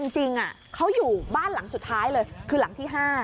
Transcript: จริงเขาอยู่บ้านหลังสุดท้ายเลยคือหลังที่๕